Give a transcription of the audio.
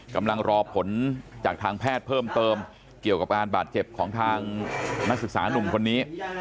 กำลังรอผลจากทางแพทย์เพิ่มเติมเกี่ยวกับการบาดเจ็บของทางนักศึกษานุ่มคนนี้